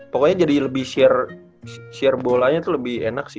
pokoknya jadi lebih share share bolanya tuh lebih enak sih